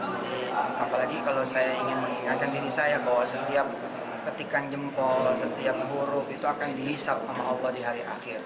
pada saat ini saya ingin mengingatkan diri saya bahwa setiap ketikan jempol setiap huruf itu akan dihisap oleh allah di hari akhir